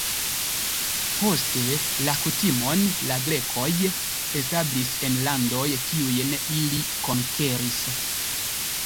Poste la kutimon la grekoj establis en landoj, kiujn ili konkeris.